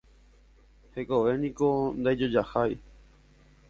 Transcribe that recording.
Hekovéniko ndaijojahái.